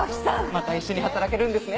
また一緒に働けるんですね！